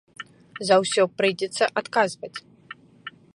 За ўсе прыйдзецца адказваць.